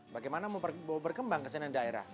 bagaimana berkembang kesenian daerah